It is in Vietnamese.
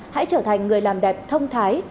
hãy trở thành người làm đẹp thông thái